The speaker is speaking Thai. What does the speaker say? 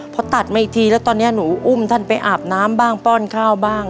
พอตัดมาอีกทีแล้วตอนนี้หนูอุ้มท่านไปอาบน้ำบ้างป้อนข้าวบ้าง